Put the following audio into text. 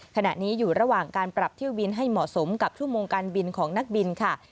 ขณะนี้อยู่ระหว่างการปรับเที่ยวบินให้เหมาะสมกับชั่วโมงการบินของนักบินค่ะ